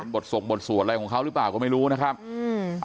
ส่งบทสวดอะไรของเขาหรือเปล่าก็ไม่รู้นะครับอืม